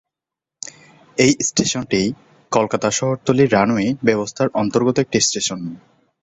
এই স্টেশনটি কলকাতা শহরতলি রেলওয়ে ব্যবস্থার অন্তর্গত একটি স্টেশন।